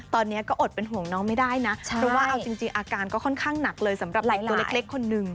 ตอนนี้ก็อดเป็นห่วงน้องไม่ได้นะเพราะว่าเอาจริงอาการก็ค่อนข้างหนักเลยสำหรับเด็กตัวเล็กคนนึง